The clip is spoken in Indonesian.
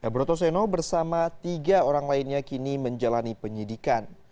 brotoseno bersama tiga orang lainnya kini menjalani penyidikan